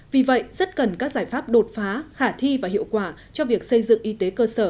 vì vậy rất cần các giải pháp đột phá khả thi và hiệu quả cho việc xây dựng y tế cơ sở